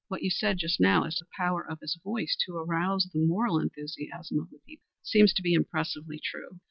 What you said just now as to the power of his voice to arouse the moral enthusiasm of the people seemed to be impressively true.